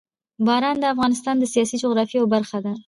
باران د افغانستان د سیاسي جغرافیه یوه برخه ده.